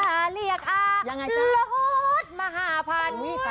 หาเรียกอาลดมหาพันธุ์